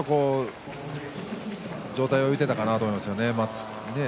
上体が浮いていたかなと思いますね。